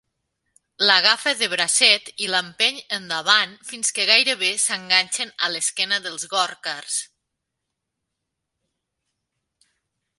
L'agafa de bracet i l'empeny endavant fins que gairebé s'enganxen a l'esquena dels Gòrkars.